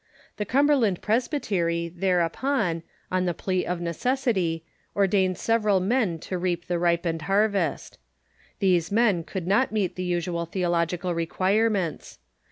The Cumberland Presby tery thereupon, on the jjlea of necessity, ordained several men to reap the ripened harvest. These men could not meet the usual theological requirements.